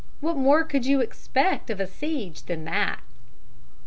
What more could you expect of a siege than that?